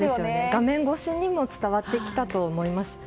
画面越しにも伝わってきたと思います。